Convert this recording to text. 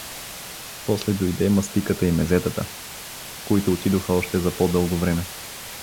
После дойде мастиката и мезетата, които отидоха още за по-дълго време.